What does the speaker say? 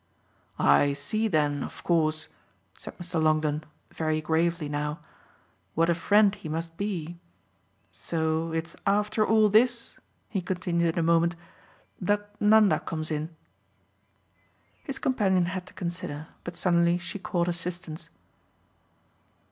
"I see then of course," said Mr. Longdon, very gravely now, "what a friend he must be. So it's after all this," he continued in a moment, "that Nanda comes in?" His companion had to consider, but suddenly she caught assistance.